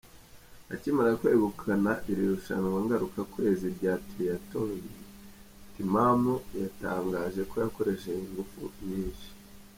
Akimara kwegukana iri rushanwa ngarukakwezi rya Triathlon, Timamu yatangaje ko yakoresheje ingufu nyinshi.